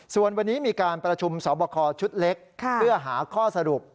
ส่วนวันนี้มีการประชุมสอบคอชุดเล็กเพื่อหาข้อสรุป